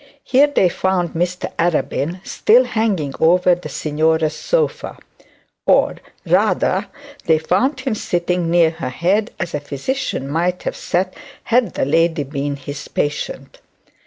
Here they found Mr Arabin, still hanging over the signora's sofa; or, rather, they found him sitting near her head, as a physician might have sat, had the lady been his patient.